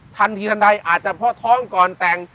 ทันทีทันใดอาจจะเพราะท้องก่อนแต่ง